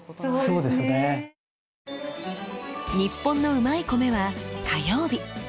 「ニッポンのうまい米」は火曜日。